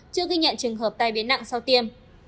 chưa ghi nhận trường hợp tai biến nặng sau tiêm